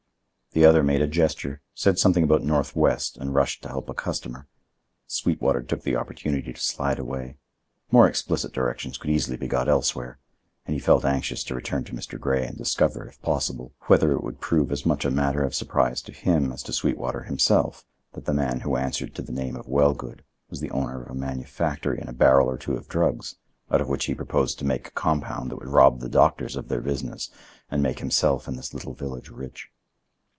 The other made a gesture, said something about northwest and rushed to help a customer. Sweetwater took the opportunity to slide away. More explicit directions could easily be got elsewhere, and he felt anxious to return to Mr. Grey and discover, if possible, whether it would prove as much a matter of surprise to him as to Sweetwater himself that the man who answered to the name of Wellgood was the owner of a manufactory and a barrel or two of drugs, out of which he proposed to make a compound that would rob the doctors of their business and make himself and this little village rich.